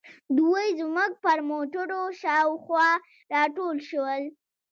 دوی زموږ پر موټرو شاوخوا راټول شول.